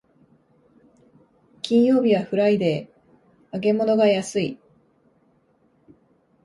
金曜日はフライデー、揚げ物が安い